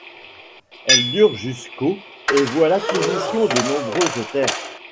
Elle dure jusqu'au et voit l'acquisition de nombreuses terres.